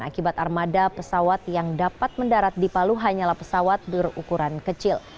akibat armada pesawat yang dapat mendarat di palu hanyalah pesawat berukuran kecil